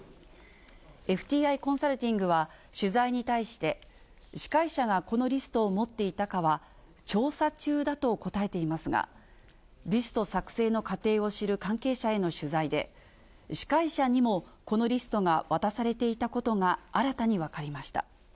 ＦＴＩコンサルティングは取材に対して、司会者がこのリストを持っていたかは調査中だと答えていますが、リスト作成の過程を知る関係者への取材で、司会者にもこのリストが渡されていたことが、新たに分かりました。